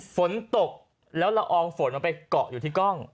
ฝนตกแล้วละอองฝนมันไปเกาะอยู่ที่กล้อง